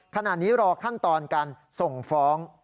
ขณะนี้รอขั้นตอนการส่งฟ้อง